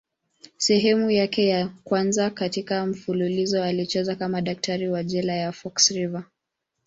Sehemu yake ya kwanza katika mfululizo alicheza kama daktari wa jela ya Fox River.